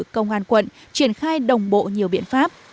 công an quận triển khai đồng bộ nhiều biện pháp